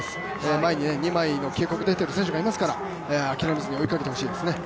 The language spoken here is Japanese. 前に２枚の警告が出ている選手がいますから追いかけてほしいですね。